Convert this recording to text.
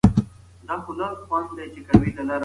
زه به ستا د نېکمرغۍ او روغتیا لپاره ډېرې دعاګانې کوم.